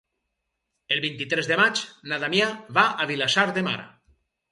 El vint-i-tres de maig na Damià va a Vilassar de Mar.